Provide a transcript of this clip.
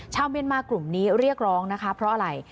ชาวเมียนมากลุ่มนี้เรียกร้องนะคะเพราะอะไร